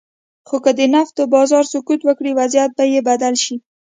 خو که د نفتو بازار سقوط وکړي، وضعیت به یې بدل شي.